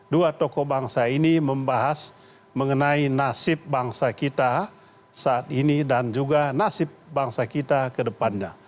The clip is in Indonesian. dua tokoh bangsa ini membahas mengenai nasib bangsa kita saat ini dan juga nasib bangsa kita ke depannya